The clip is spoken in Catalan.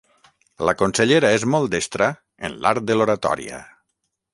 La consellera és molt destra en l'art de l'oratòria.